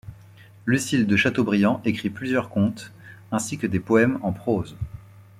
Lucile de Chateaubriand écrit plusieurs contes, ainsi que des poèmes en prose.